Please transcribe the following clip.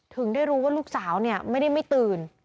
ถึงได้รู้ว่าลูกสาวไม่ได้ไม่ตื่น